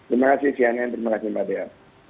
terima kasih cnn terima kasih mbak dea